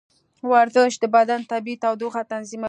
ورزش د بدن طبیعي تودوخه تنظیموي.